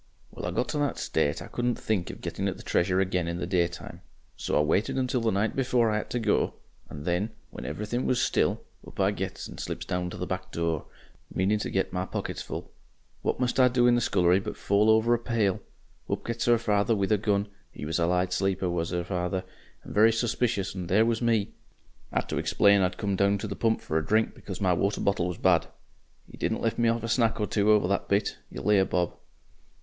"Well, I got to that state I couldn't think of getting at the Treasure again in the daytime, so I waited until the night before I had to go, and then, when everything was still, up I gets and slips down to the back door, meaning to get my pockets full. What must I do in the scullery but fall over a pail! Up gets 'er father with a gun 'e was a light sleeper was 'er father, and very suspicious and there was me: 'ad to explain I'd come down to the pump for a drink because my water bottle was bad. 'E didn't let me off a Snack or two over that bit, you lay a bob."